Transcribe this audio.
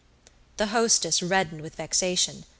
The hostess reddened with vexation.